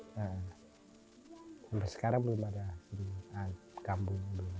sampai sekarang belum ada kambu